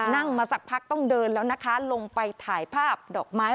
นั่งมาสักพักต้องเดินแล้วนะคะลงไปถ่ายภาพดอกไม้